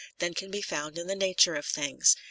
. than can be found in the nature of things.